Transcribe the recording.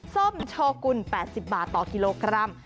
ส้มโชกุล๘๐บาทต่อกิโลกรัม